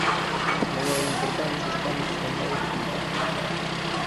Tamén eran importados os panos estampados e pintados.